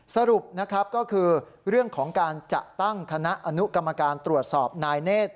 สรุปนะครับก็คือเรื่องของการจะตั้งคณะอนุกรรมการตรวจสอบนายเนธ